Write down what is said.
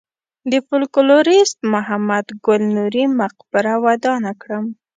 د فولکلوریست محمد ګل نوري مقبره ودانه کړم.